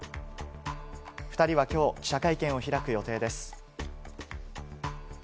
２人は今日、記者会見を開く予定です。